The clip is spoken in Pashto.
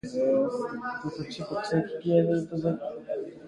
دماغ ټول فعالیتونه کنټرولوي.